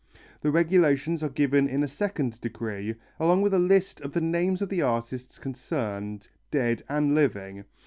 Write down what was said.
The regulations are given in a second decree, along with a list of the names of the artists concerned, dead and living.